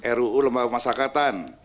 oleh ruu lembaga pemasyarakatan